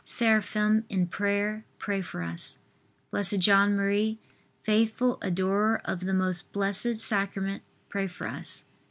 seraphim in prayer, pray for us. B. J. M., faithful adorer of the Most Blessed Sacrament, pray for us.